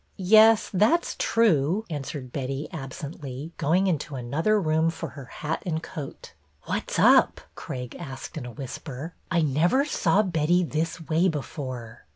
''Yes, that's true," answered Betty, absently, going into another room for her hat and coat. " What 's up? " Craig asked in a whisper. " I never saw Betty this way before."